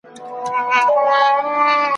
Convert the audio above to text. وئېل ئې بس يو زۀ اؤ دېوالونه د زندان دي !.